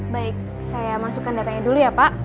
baik saya masukkan datanya dulu ya pak